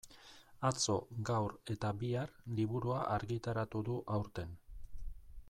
Atzo, gaur eta bihar liburua argitaratu du aurten.